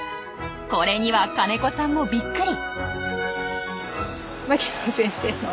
これには金子さんもびっくり。